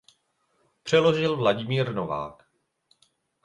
Přeložil Vladimír Novák.